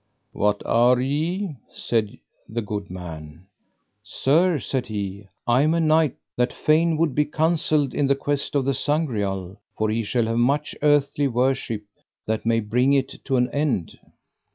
What are ye? said the good man. Sir, said he, I am a knight that fain would be counselled in the quest of the Sangreal, for he shall have much earthly worship that may bring it to an end.